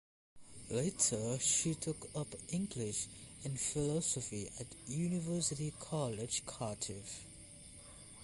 Later she took up English and philosophy at University College Cardiff.